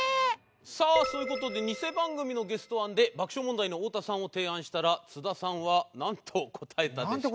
さあそういう事でニセ番組のゲスト案で爆笑問題の太田さんを提案したら津田さんはなんと答えたでしょう？